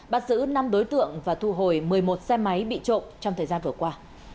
bắt giữ năm đối tượng và thu hồi một mươi một xe máy bị trộm trong thời gian vừa qua